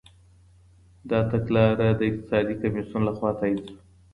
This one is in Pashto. دا تګلاره د اقتصادي کميسيون لخوا تاييد سوه.